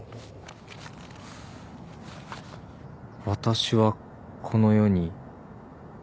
「私は」「この世」「に」